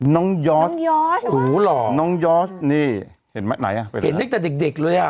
น้องยอร์ดน้องยอร์ดโหหล่อน้องยอร์ดนี่เห็นไหมไหนอ่ะเห็นตั้งแต่เด็กเด็กเลยอ่ะ